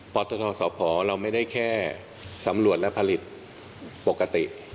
ตนสพเราไม่ได้แค่สำรวจและผลิตปกติ